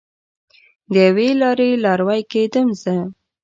د یوې لارې لاروی کیدم زه